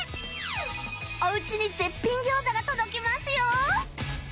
おうちに絶品餃子が届きますよ